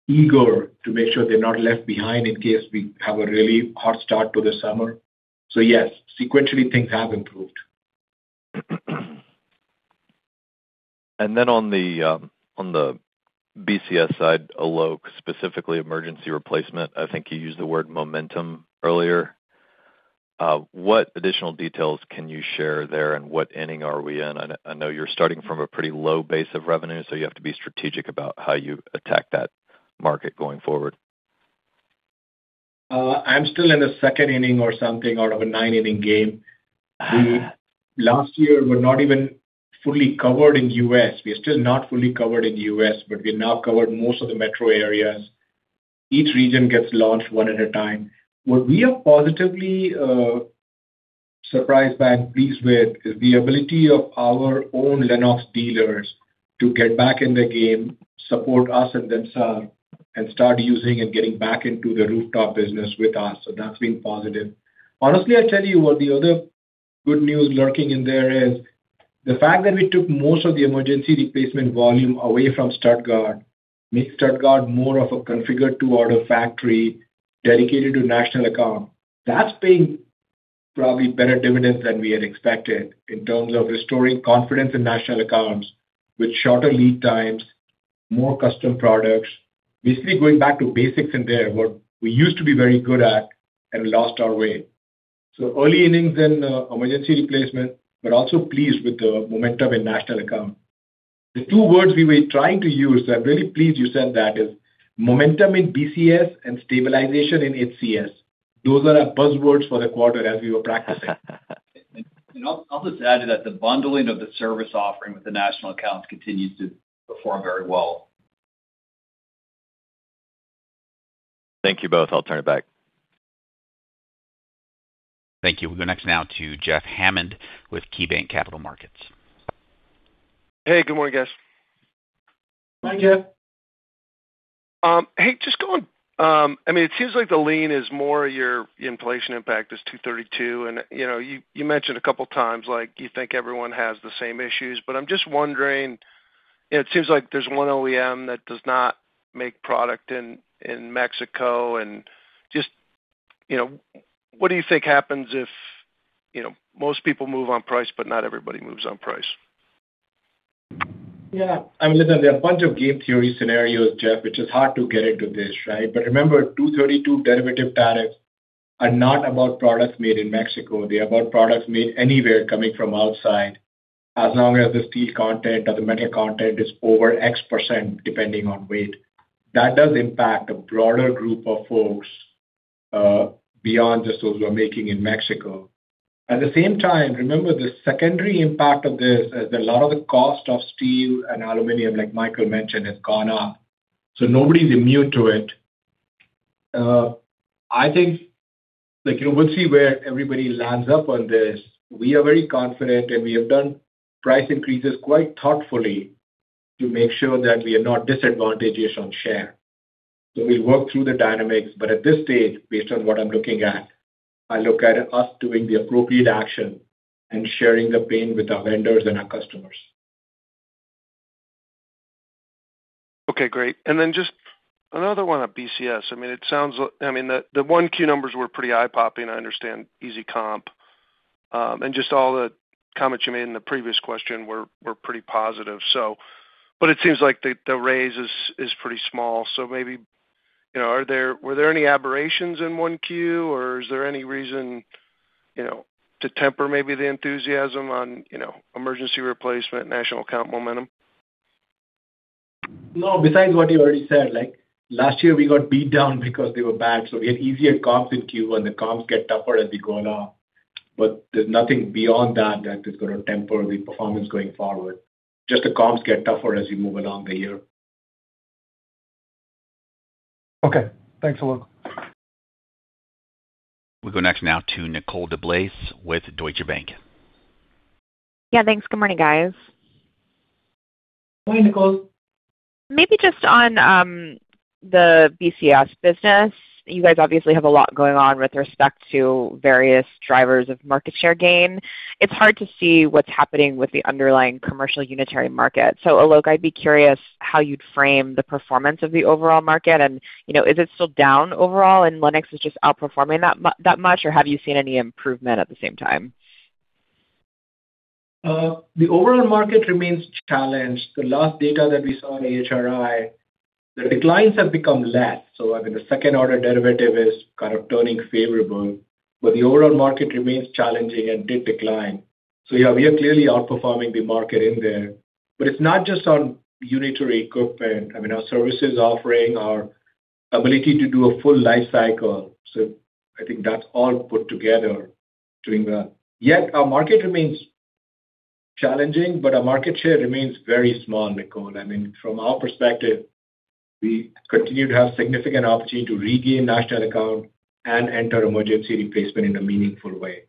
eager to make sure they're not left behind in case we have a really hot start to the summer. Sequentially, things have improved. On the BCS side, Alok, specifically emergency replacement, I think you used the word momentum earlier. What additional details can you share there? What inning are we in? I know you're starting from a pretty low base of revenue, so you have to be strategic about how you attack that market going forward. I'm still in the second inning or something out of a nine-inning game. Last year, we're not even fully covered in U.S. We are still not fully covered in U.S., we have now covered most of the metro areas. Each region gets launched one at a time. What we are positively surprised by and pleased with is the ability of our own Lennox dealers to get back in the game, support us and themselves, and start using and getting back into the rooftop business with us. That's been positive. Honestly, I tell you what the other good news lurking in there is the fact that we took most of the emergency replacement volume away from Stuttgart made Stuttgart more of a configure-to-order factory dedicated to national account. That's paying probably better dividends than we had expected in terms of restoring confidence in national accounts with shorter lead times, more custom products. Basically going back to basics in there, what we used to be very good at and lost our way. Early innings in emergency replacement, but also pleased with the momentum in national account. The two words we were trying to use, I'm very pleased you said that, is momentum in BCS and stabilization in HCS. Those are our buzzwords for the quarter as we were practicing. I'll just add to that. The bundling of the service offering with the national accounts continues to perform very well. Thank you both. I'll turn it back. Thank you. We'll go next now to Jeff Hammond with KeyBanc Capital Markets. Hey, good morning, guys. Hi, Jeff. I mean, it seems like the lean is more your inflation impact is Section 232, and, you know, you mentioned a couple times, like, you think everyone has the same issues. I'm just wondering, it seems like there's one OEM that does not make product in Mexico and just, you know, what do you think happens if, you know, most people move on price, but not everybody moves on price? Yeah. I mean, listen, there are a bunch of game theory scenarios, Jeff, which is hard to get into this, right? Remember, Section 232 derivative tariffs are not about products made in Mexico. They're about products made anywhere coming from outside, as long as the steel content or the metal content is over X percent, depending on weight. That does impact a broader group of folks, beyond just those who are making in Mexico. At the same time, remember, the secondary impact of this is a lot of the cost of steel and aluminum, like Michael mentioned, has gone up, nobody's immune to it. I think, like, you know, we'll see where everybody lands up on this. We are very confident, we have done price increases quite thoughtfully to make sure that we are not disadvantaged on share. We work through the dynamics, but at this stage, based on what I'm looking at, I look at us doing the appropriate action and sharing the pain with our vendors and our customers. Okay, great. Then just another one on BCS. I mean, the 1Q numbers were pretty eye-popping. I understand easy comp. Just all the comments you made in the previous question were pretty positive. It seems like the raise is pretty small. Maybe, you know, were there any aberrations in 1Q, or is there any reason, you know, to temper maybe the enthusiasm on, you know, emergency replacement, national account momentum? No, besides what you already said. Like, last year, we got beat down because they were bad, so we had easier comps in Q1, and the comps get tougher as we go on. There's nothing beyond that is going to temper the performance going forward. Just the comps get tougher as you move along the year. Okay. Thanks Alok. We go next now to Nicole DeBlase with Deutsche Bank. Yeah, thanks. Good morning, guys. Good morning, Nicole. Maybe just on the BCS business. You guys obviously have a lot going on with respect to various drivers of market share gain. It's hard to see what's happening with the underlying commercial unitary market. Alok, I'd be curious how you'd frame the performance of the overall market. You know, is it still down overall and Lennox is just outperforming that much, or have you seen any improvement at the same time? The overall market remains challenged. The last data that we saw in AHRI, the declines have become less, so, I mean, the second order derivative is kind of turning favorable. The overall market remains challenging and did decline. Yeah, we are clearly outperforming the market in there. It's not just on unitary equipment. I mean, our services offering, our ability to do a full life cycle. I think that's all put together doing that. Our market remains challenging, but our market share remains very small, Nicole. I mean, from our perspective, we continue to have significant opportunity to regain national account and enter emergency replacement in a meaningful way.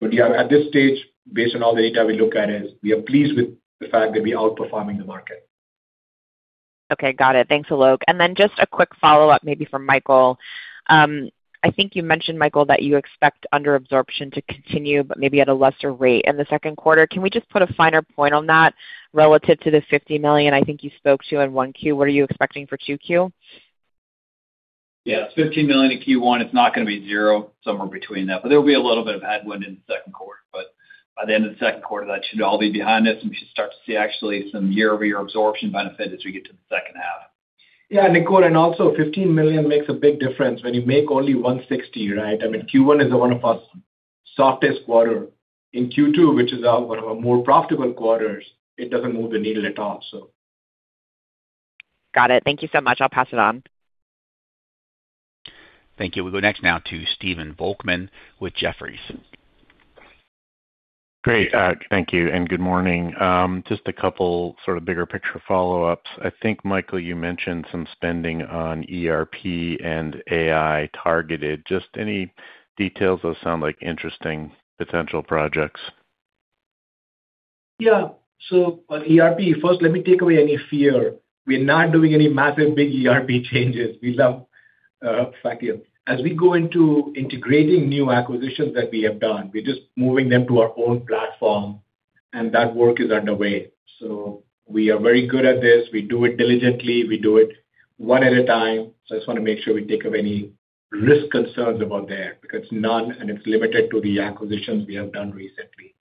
Yeah, at this stage, based on all the data we look at is we are pleased with the fact that we are outperforming the market. Okay, got it. Thanks, Alok. Just a quick follow-up maybe for Michael. I think you mentioned, Michael, that you expect under absorption to continue, but maybe at a lesser rate in the second quarter. Can we just put a finer point on that relative to the $50 million I think you spoke to in 1Q? What are you expecting for 2Q? Yeah, it's $15 million in Q1. It's not going to be zero, somewhere between that. There'll be a little bit of headwind in the second quarter. By the end of the second quarter, that should all be behind us, and we should start to see actually some year-over-year absorption benefit as we get to the second half. Yeah, Nicole, also $15 million makes a big difference when you make only $160, right? I mean, Q1 is one of our softest quarter. Q2, which is one of our more profitable quarters, it doesn't move the needle at all. Got it. Thank you so much. I will pass it on. Thank you. We'll go next now to Stephen Volkmann with Jefferies. Great. Thank you, and good morning. Just a couple sort of bigger picture follow-ups. I think, Michael, you mentioned some spending on ERP and AI targeted. Just any details? Those sound like interesting potential projects. On ERP, first, let me take away any fear. We're not doing any massive big ERP changes. We love Fakir. As we go into integrating new acquisitions that we have done, we're just moving them to our own platform, and that work is underway. We are very good at this. We do it diligently. We do it one at a time. I just wanna make sure we take up any risk concerns about that because none and it's limited to the acquisitions we have done recently.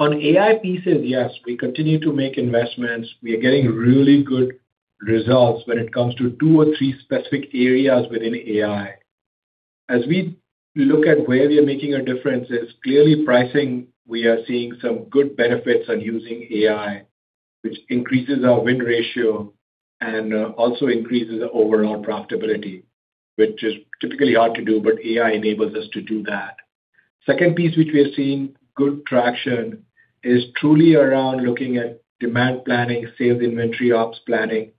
On AI pieces, yes, we continue to make investments. We are getting really good results when it comes to two or three specific areas within AI. As we look at where we are making a difference is clearly pricing, we are seeing some good benefits on using AI, which increases our win ratio and also increases overall profitability, which is typically hard to do, but AI enables us to do that. Second piece which we are seeing good traction is truly around looking at demand planning, sales inventory, ops planning.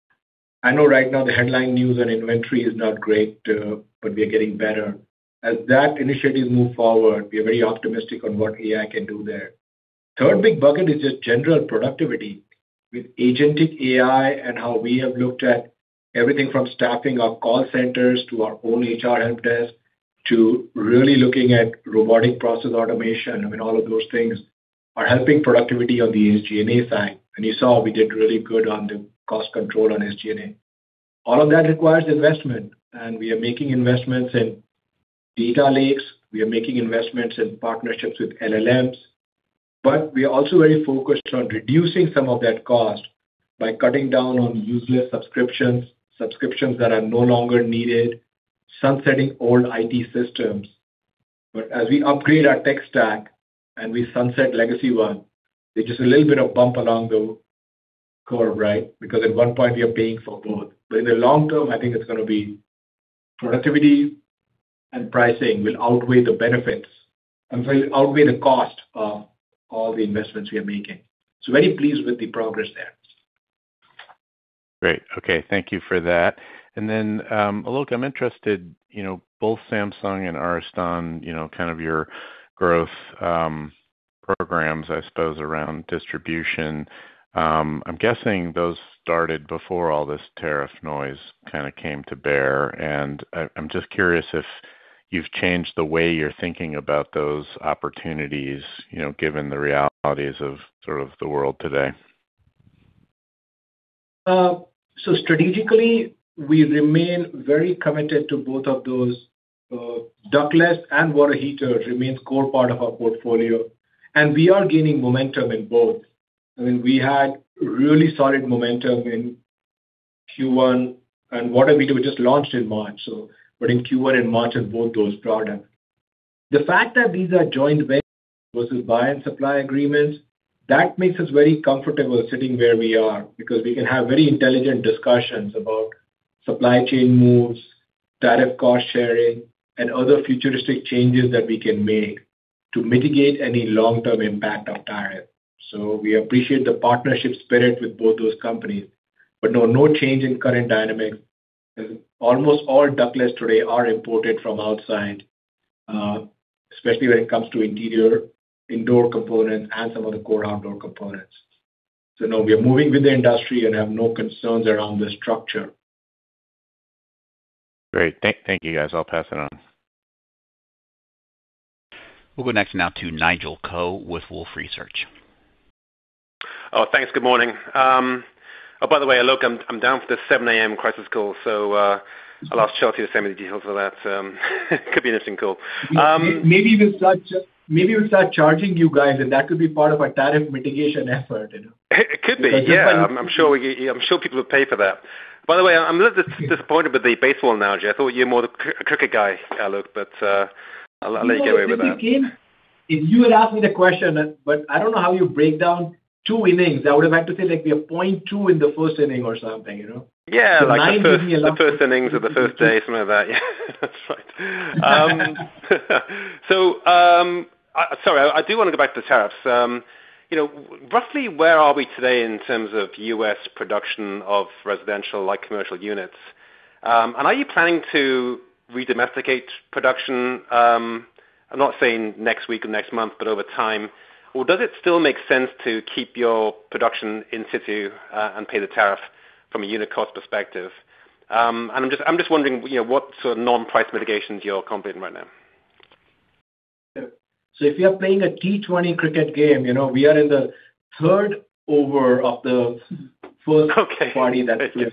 I know right now the headline news on inventory is not great, but we are getting better. As that initiatives move forward, we are very optimistic on what AI can do there. Third big bucket is just general productivity with agentic AI and how we have looked at everything from staffing our call centers to our own HR help desk to really looking at robotic process automation. I mean, all of those things are helping productivity on the SG&A side. You saw we did really good on the cost control on SG&A. All of that requires investment, and we are making investments in data lakes. We are making investments in partnerships with LLMs. We are also very focused on reducing some of that cost by cutting down on useless subscriptions that are no longer needed, sunsetting old IT systems. As we upgrade our tech stack and we sunset legacy one, there's just a little bit of bump along the curve, right? Because at one point, we are paying for both. In the long term, I think it's gonna be productivity and pricing will outweigh the cost of all the investments we are making. Very pleased with the progress there. Great. Okay. Thank you for that. Alok, I'm interested, you know, both Samsung and Ariston, you know, kind of your growth programs, I suppose, around distribution. I'm guessing those started before all this tariff noise kinda came to bear, I'm just curious if you've changed the way you're thinking about those opportunities, you know, given the realities of sort of the world today. Strategically, we remain very committed to both of those. Ductless and water heater remains core part of our portfolio. We are gaining momentum in both. I mean, we had really solid momentum in Q1, and water heater we just launched in March, but in Q1 and March in both those products. The fact that these are joint ventures versus buy and supply agreements, that makes us very comfortable sitting where we are because we can have very intelligent discussions about supply chain moves, tariff cost sharing, and other futuristic changes that we can make to mitigate any long-term impact of tariff. We appreciate the partnership spirit with both those companies. No, no change in current dynamics. Almost all ductless today are imported from outside, especially when it comes to interior, indoor components and some of the core outdoor components. No, we are moving with the industry and have no concerns around the structure. Great. Thank you, guys. I'll pass it on. We'll go next now to Nigel Coe with Wolfe Research. Oh, thanks. Good morning. Oh, by the way, Alok, I'm down for the 7:00 A.M. crisis call, so I'll ask Chelsey to send me the details for that. Could be an interesting call. Maybe we'll start charging you guys, and that could be part of our tariff mitigation effort, you know? It could be, yeah. I'm sure people would pay for that. By the way, I'm a little disappointed with the baseball analogy. I thought you're more the cricket guy, Alok, but, I'll let you get away with it. You know, if you had asked me the question then, I don't know how you break down two innings. I would have had to say, like, we are 0.2 in the first inning or something, you know. Yeah, like the first- Nine gives me 11. The first innings or the first day, something like that, yeah. That's right. Sorry, I do want to go back to the tariffs. You know, roughly where are we today in terms of U.S. production of residential, like commercial units? Are you planning to redomesticate production, I'm not saying next week or next month, but over time? Or does it still make sense to keep your production in situ, and pay the tariff from a unit cost perspective? I'm just wondering, you know, what sort of non-price mitigations you're contemplating right now. If you're playing a T20 cricket game, you know, we are in the third over of the first party that's playing.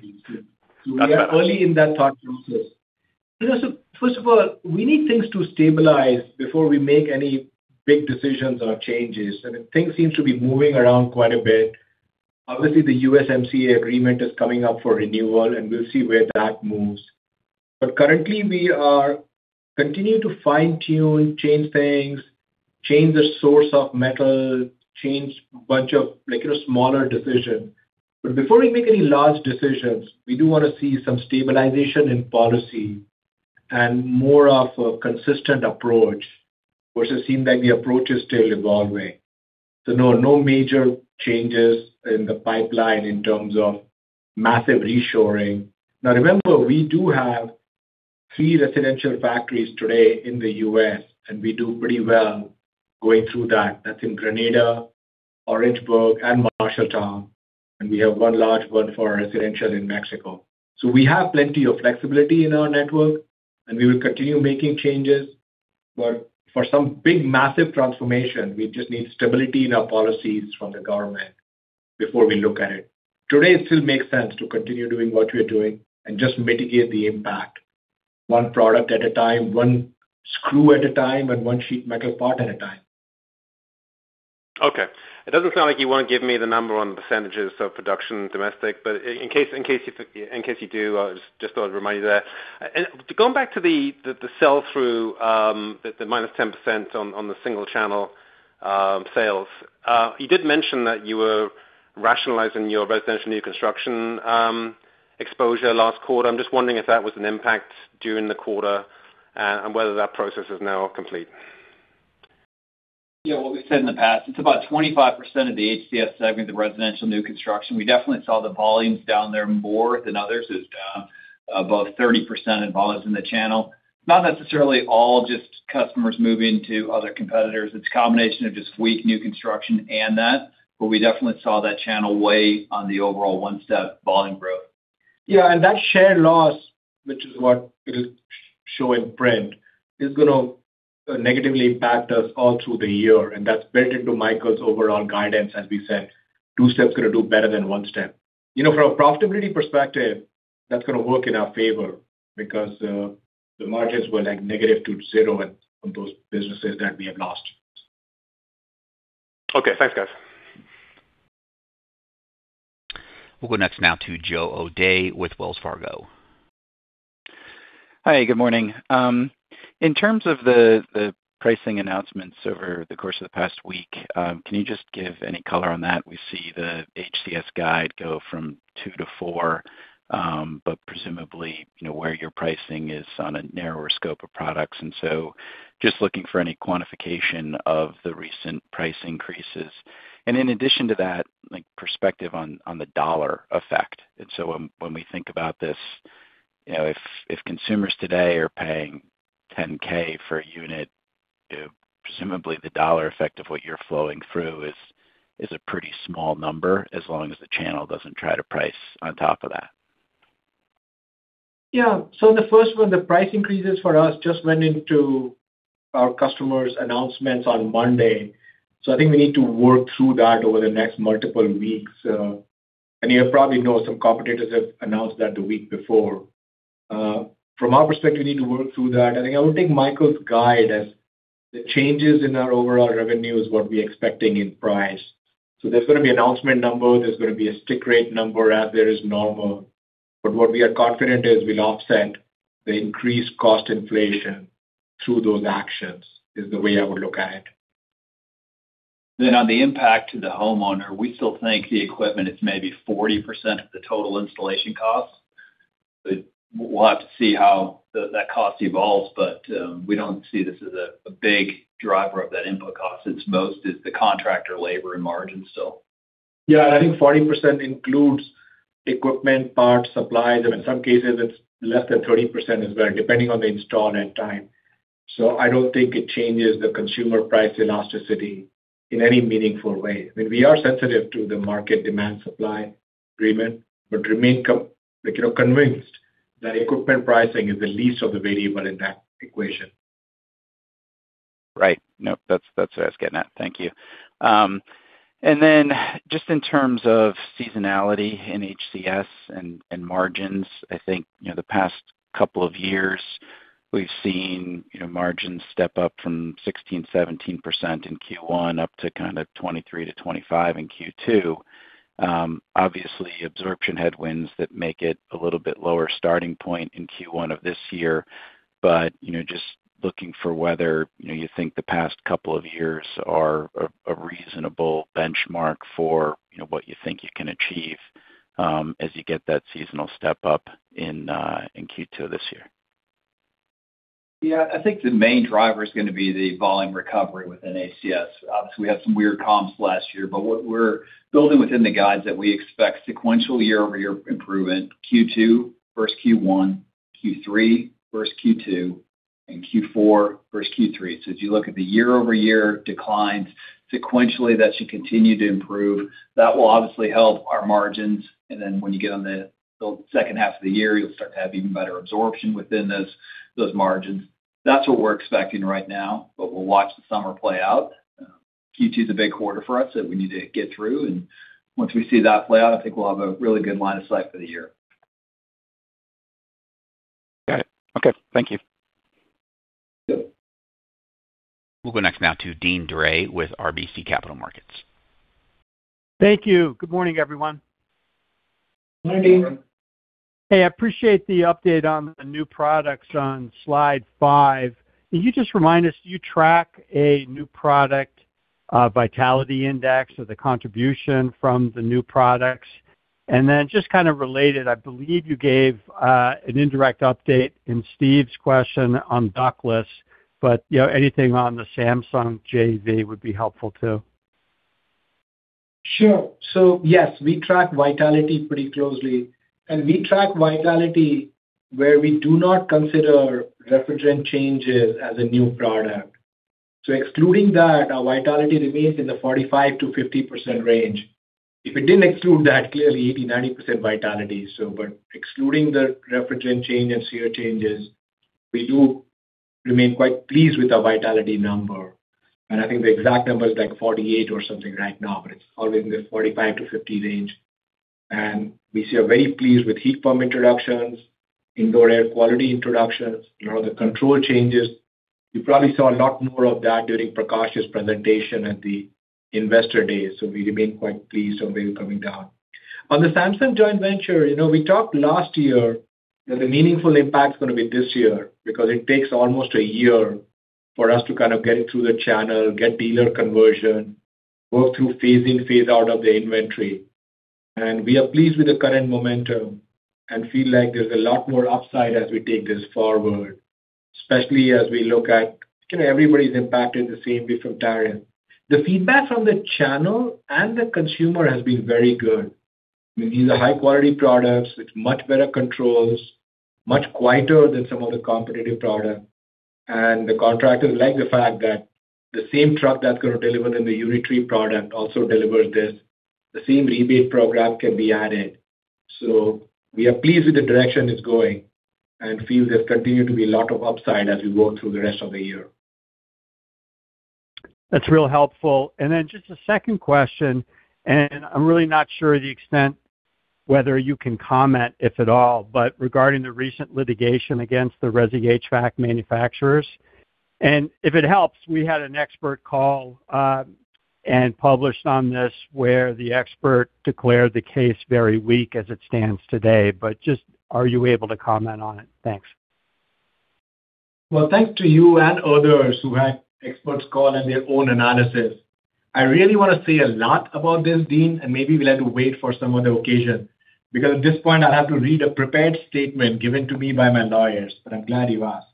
Okay. We are early in that thought process. First of all, we need things to stabilize before we make any big decisions or changes. Things seem to be moving around quite a bit. Obviously, the USMCA agreement is coming up for renewal, and we'll see where that moves. Currently, we are continuing to fine-tune, change things, change the source of metal, change a bunch of like, you know, smaller decisions. Before we make any large decisions, we do wanna see some stabilization in policy and more of a consistent approach, versus seem like the approach is still evolving. No, no major changes in the pipeline in terms of massive reshoring. Remember, we do have three residential factories today in the U.S., and we do pretty well going through that. That's in Grenada, Orangeburg, and Marshalltown, and we have one large one for residential in Mexico. We have plenty of flexibility in our network, and we will continue making changes. For some big, massive transformation, we just need stability in our policies from the government before we look at it. Today, it still makes sense to continue doing what we're doing and just mitigate the impact one product at a time, one screw at a time, and one sheet metal part at a time. Okay. It doesn't sound like you wanna give me the number on percentages of production domestic, but in case you do, I just thought I'd remind you there. Going back to the sell-through, the -10% on the single channel sales, you did mention that you were rationalizing your residential new construction exposure last quarter. I'm just wondering if that was an impact during the quarter and whether that process is now complete. Yeah, what we've said in the past, it's about 25% of the HCS segment, the residential new construction. We definitely saw the volumes down there more than others. It was down above 30% in volumes in the channel. Not necessarily all just customers moving to other competitors. It's a combination of just weak new construction and that, but we definitely saw that channel weigh on the overall one-step volume growth. That share loss, which is what is showing Brent, is gonna negatively impact us all through the year, and that's built into Michael's overall guidance, as we said. Two-step's gonna do better than one-step. You know, from a profitability perspective, that's gonna work in our favor because the margins were like negative to zero on those businesses that we have lost. Okay. Thanks, guys. We'll go next now to Joe O'Dea with Wells Fargo. Hi, good morning. In terms of the pricing announcements over the course of the past week, can you just give any color on that? We see the HCS guide go from 2%-4%, but presumably, you know, where your pricing is on a narrower scope of products, so just looking for any quantification of the recent price increases. In addition to that, like perspective on the dollar effect. When we think about this, you know, if consumers today are paying $10,000 for a unit, presumably the dollar effect of what you're flowing through is a pretty small number, as long as the channel doesn't try to price on top of that. The first one, the price increases for us just went into our customers' announcements on Monday. I think we need to work through that over the next multiple weeks. You probably know some competitors have announced that the week before. From our perspective, we need to work through that. I think I would take Michael's guide as the changes in our overall revenue is what we're expecting in price. There's gonna be announcement number, there's gonna be a stick rate number as there is normal. What we are confident is we'll offset the increased cost inflation through those actions, is the way I would look at it. On the impact to the homeowner, we still think the equipment is maybe 40% of the total installation cost. We'll have to see how that cost evolves, but we don't see this as a big driver of that input cost. It's most is the contractor labor and margin still. Yeah. I think 40% includes equipment, parts, supplies, and in some cases, it's less than 30% as well, depending on the install and time. I don't think it changes the consumer price elasticity in any meaningful way. We are sensitive to the market demand-supply agreement, but remain like, you know, convinced that equipment pricing is the least of the variable in that equation. Right. Nope, that's what I was getting at. Thank you. Then just in terms of seasonality in HCS and margins, I think, you know, the past couple of years we've seen, you know, margins step up from 16%-17% in Q1 up to kind of 23%-25% in Q2. Obviously, absorption headwinds that make it a little bit lower starting point in Q1 of this year. You know, just looking for whether, you know, you think the past couple of years are a reasonable benchmark for, you know, what you think you can achieve as you get that seasonal step up in Q2 this year. I think the main driver is gonna be the volume recovery within HCS. Obviously, we had some weird comps last year, but what we're building within the guides that we expect sequential year-over-year improvement, Q2 versus Q1, Q3 versus Q2, and Q4 versus Q3. As you look at the year-over-year declines sequentially, that should continue to improve. That will obviously help our margins. When you get on the second half of the year, you'll start to have even better absorption within those margins. That's what we're expecting right now, but we'll watch the summer play out. Q2 is a big quarter for us that we need to get through, and once we see that play out, I think we'll have a really good line of sight for the year. Got it. Okay. Thank you. Yep. We'll go next now to Deane Dray with RBC Capital Markets. Thank you. Good morning, everyone. Good morning. Hey, I appreciate the update on the new products on slide five. Can you just remind us, do you track a new product vitality index or the contribution from the new products? Then just kind of related, I believe you gave an indirect update in Steve's question on ductless, but, you know, anything on the Samsung JV would be helpful too. Sure. Yes, we track vitality pretty closely, and we track vitality where we do not consider refrigerant changes as a new product. Excluding that, our vitality remains in the 45%-50% range. If it didn't exclude that, clearly 80%, 90% vitality. Excluding the refrigerant change and CR changes, we do remain quite pleased with our vitality number. I think the exact number is, like, 48% or something right now, but it's all in the 45%-50% range. We are very pleased with heat pump introductions, indoor air quality introductions, you know, the control changes. You probably saw a lot more of that during Prakash's presentation at the investor day. We remain quite pleased on where we're coming down. On the Samsung joint venture, you know, we talked last year that the meaningful impact's gonna be this year because it takes almost a year for us to kind of get it through the channel, get dealer conversion, work through phase in, phase out of the inventory. We are pleased with the current momentum and feel like there's a lot more upside as we take this forward, especially as we look at, you know, everybody's impacted the same way from tariff. The feedback from the channel and the consumer has been very good. I mean, these are high quality products with much better controls, much quieter than some of the competitive products. The contractors like the fact that the same truck that's gonna deliver in the unitary product also delivers this. The same rebate program can be added. We are pleased with the direction it's going and feel there's continued to be a lot of upside as we work through the rest of the year. That's real helpful. Then just a second question, I'm really not sure the extent whether you can comment, if at all, but regarding the recent litigation against the resi HVAC manufacturers. If it helps, we had an expert call and published on this where the expert declared the case very weak as it stands today. Just are you able to comment on it? Thanks. Well, thanks to you and others who had experts call in their own analysis. I really want to say a lot about this, Deane, and maybe we'll have to wait for some other occasion because at this point, I'd have to read a prepared statement given to me by my lawyers, but I'm glad you asked.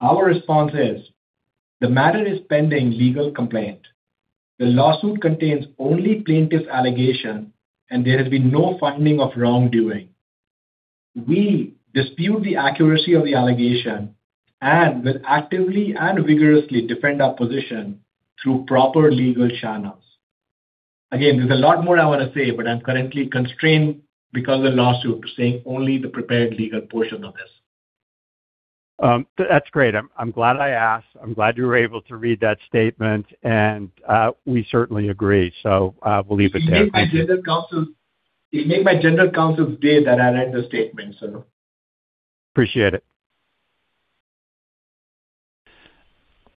Our response is: The matter is pending legal complaint. The lawsuit contains only plaintiff's allegation, and there has been no finding of wrongdoing. We dispute the accuracy of the allegation and will actively and vigorously defend our position through proper legal channels. Again, there's a lot more I want to say, but I'm currently constrained because of the lawsuit to saying only the prepared legal portion of this. That's great. I'm glad I asked. I'm glad you were able to read that statement, and we certainly agree. We'll leave it there. Thank you. You made my general counsel's day that I read the statement, so. Appreciate it.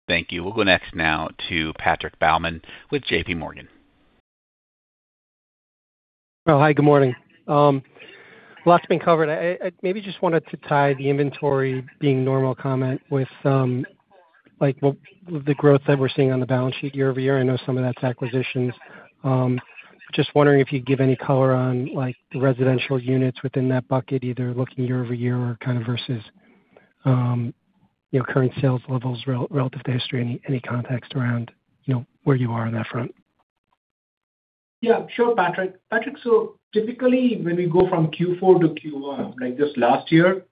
Thank you. We'll go next now to Patrick Baumann with JPMorgan. Hi, good morning. Lots been covered. I maybe just wanted to tie the inventory being normal comment with some, like, with the growth that we're seeing on the balance sheet year-over-year. I know some of that's acquisitions. Just wondering if you'd give any color on, like, residential units within that bucket, either looking year-over-year or kind of versus, your current sales levels relative to history. Any, any context around, you know, where you are on that front? Yeah, sure, Patrick. Patrick, typically, when we go from Q4 to Q1, like just last year,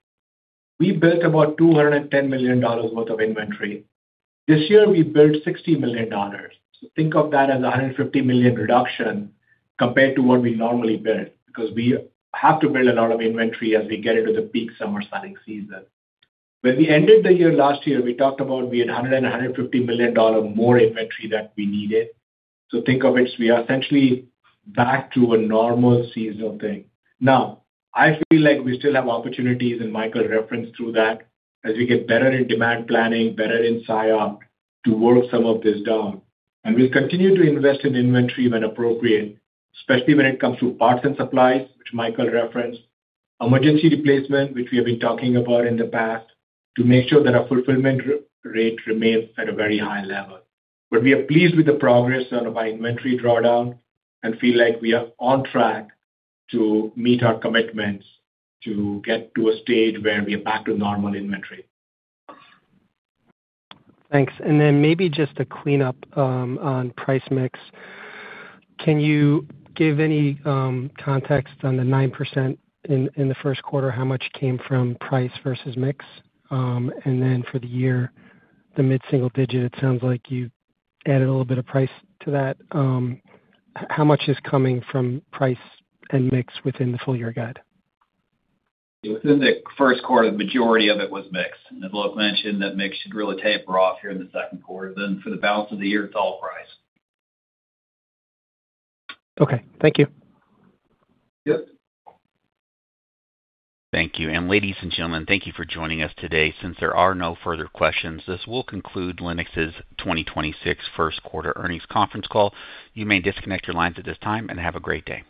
we built about $210 million worth of inventory. This year, we built $60 million. Think of that as a $150 million reduction compared to what we normally build, because we have to build a lot of inventory as we get into the peak summer starting season. When we ended the year last year, we talked about we had $150 million more inventory that we needed. Think of it, we are essentially back to a normal seasonal thing. Now, I feel like we still have opportunities, and Michael referenced through that, as we get better in demand planning, better in S&OP, to work some of this down. We'll continue to invest in inventory when appropriate, especially when it comes to parts and supplies, which Michael referenced. Emergency replacement, which we have been talking about in the past, to make sure that our fulfillment rate remains at a very high level. We are pleased with the progress on our inventory drawdown and feel like we are on track to meet our commitments to get to a stage where we are back to normal inventory. Thanks. Maybe just to clean up on price mix. Can you give any context on the 9% in the first quarter, how much came from price versus mix? For the year, the mid-single digit, it sounds like you added a little bit of price to that. How much is coming from price and mix within the full year guide? Within the first quarter, the majority of it was mix. As Alok mentioned, that mix should really taper off here in the second quarter. For the balance of the year, it's all price. Okay. Thank you. Yep. Thank you. Ladies and gentlemen, thank you for joining us today. Since there are no further questions, this will conclude Lennox's 2026 first quarter earnings conference call. You may disconnect your lines at this time, and have a great day.